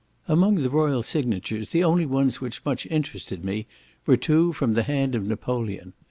Among the royal signatures, the only ones which much interested me were two from the hand of Napoleon.